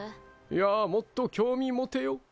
いやもっと興味持てよ。